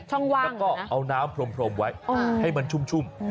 แล้วก็เอาน้ำพรมไว้ให้มันชุ่ม